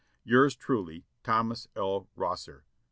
Yours truly, "Thomas L. Rosser.